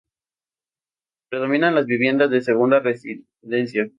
Predominan las viviendas de segunda residencia.